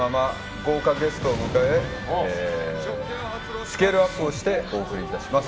豪華ゲストを迎えスケールアップをしてお送りいたします。